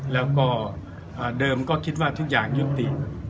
แล้วก็เดิมก็คิดว่าทุกอย่างยุติ